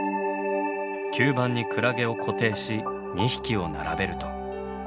吸盤にクラゲを固定し２匹を並べると。